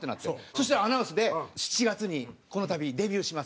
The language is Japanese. そしたらアナウンスで「７月にこのたびデビューします